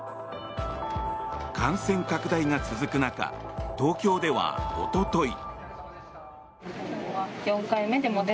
感染拡大が続く中東京ではおととい。